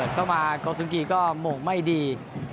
เข้ามากะวินธรรมก็มงไม่ดี